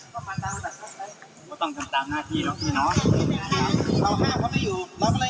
เขาอยู่รอบอะไรกันออกต่อไป